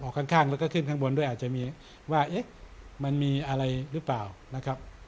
ข้างแล้วก็ขึ้นข้างบนด้วยอาจจะมีว่าเอ๊ะมันมีอะไรหรือเปล่านะครับ